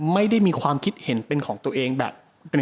ไม่ได้มีความคิดเห็นเป็นของตัวเองแบบเป็น